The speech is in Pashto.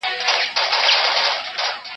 زه اوږده وخت د سبا لپاره د ژبي تمرين کوم؟!